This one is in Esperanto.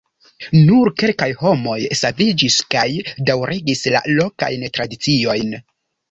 Nur kelkaj homoj saviĝis, kaj daŭrigis la lokajn tradiciojn.